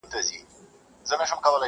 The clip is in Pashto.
هره ورځ په دروازه کي اردلیان وه،